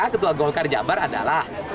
ketua golkar jabar adalah